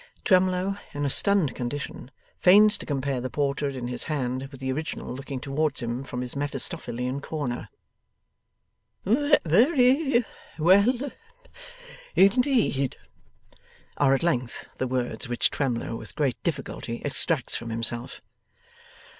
Twemlow, in a stunned condition, feigns to compare the portrait in his hand with the original looking towards him from his Mephistophelean corner. 'Very well indeed!' are at length the words which Twemlow with great difficulty extracts from himself.